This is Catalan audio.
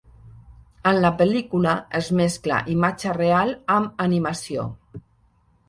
En la pel·lícula es mescla imatge real amb animació.